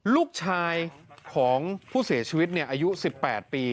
ลูกชายของผู้เสียชีวิตอายุ๑๘ปี